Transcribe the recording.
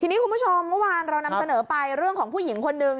ทีนี้คุณผู้ชมเมื่อวานเรานำเสนอไปเรื่องของผู้หญิงคนนึง